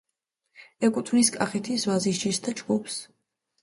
ეკუთვნის კახეთის ვაზის ჯიშთა ჯგუფს.